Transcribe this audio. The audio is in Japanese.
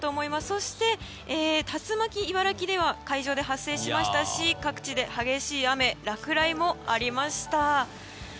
そして、竜巻が茨城県の海上で発生しましたし各地で激しい雨、落雷もありました。